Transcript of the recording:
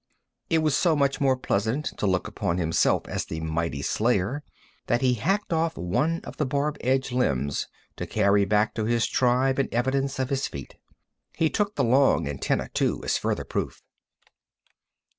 It was so much more pleasant to look upon himself as the mighty slayer that he hacked off one of the barb edged limbs to carry back to his tribe in evidence of his feat. He took the long antennæ, too, as further proof.